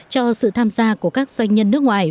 cho sự tham gia của các doanh nhân nước ngoài